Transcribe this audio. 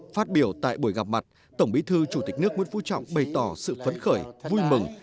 phát biểu tại buổi gặp mặt tổng bí thư chủ tịch nước nguyễn phú trọng bày tỏ sự phấn khởi vui mừng